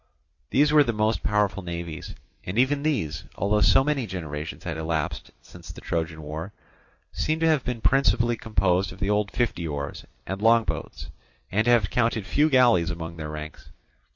These were the most powerful navies. And even these, although so many generations had elapsed since the Trojan war, seem to have been principally composed of the old fifty oars and long boats, and to have counted few galleys among their ranks.